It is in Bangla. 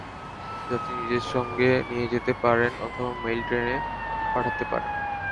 যাত্রী নিজের সঙ্গে নিয়ে যেতে পারেন, অথবা মেইল ট্রেনে পাঠাতে পারেন।